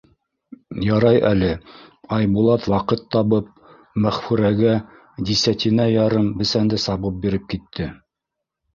Ярай әле Айбулат, ваҡыт табып, Мәғфүрәгә дисәтинә ярым бесәнде сабып биреп китте.